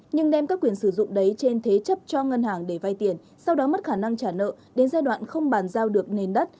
nhưng đem các quyền sử dụng đấy trên thế chấp cho ngân hàng để vay tiền sau đó mất khả năng trả nợ đến giai đoạn không bàn giao được nền đất